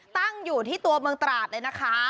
ตั้งอยู่ที่ตัวเมืองตราดเลยนะคะ